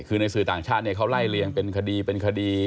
คือในสื่อต่างชาติเขาไล่เลี่ยงเป็นคดีเป็นคดี